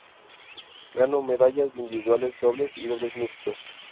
Ganó medallas en individuales, dobles, y dobles mixtos.